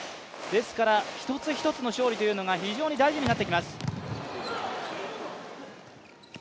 ですから一つ一つの勝利というのが非常に大事になってきます。